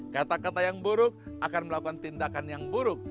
kata kata yang buruk akan melakukan tindakan yang buruk